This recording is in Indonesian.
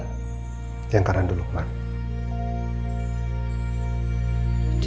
tiangkaran dulu pak